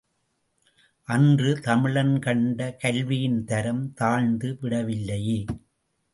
அன்று தமிழன் கண்ட கல்வியின் தரம் தாழ்ந்து விடவில்லையே!